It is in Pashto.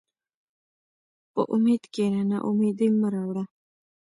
په امید کښېنه، ناامیدي مه راوړه.